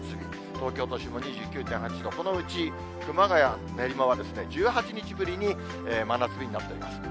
東京都心も２９．８度、このうち熊谷、練馬は１８日ぶりに真夏日になってます。